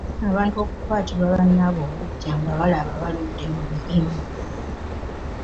Abantu okukwatirwa bannaabwe obuggya nga balaba baludde mu mirimu.